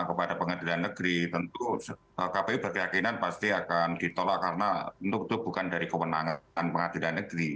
kepada pengadilan negeri tentu kpu berkeyakinan pasti akan ditolak karena tentu bukan dari kewenangan pengadilan negeri